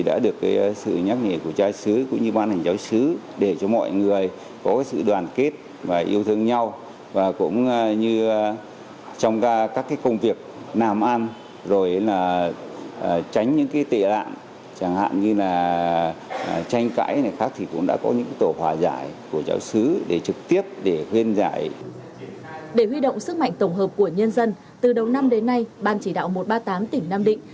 để huy động sức mạnh tổng hợp của nhân dân từ đầu năm đến nay ban chỉ đạo một trăm ba mươi tám tỉnh nam định